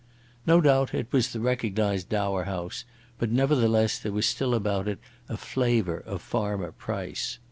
No doubt it was the recognised dower house, but nevertheless there was still about it a flavour of Farmer Price.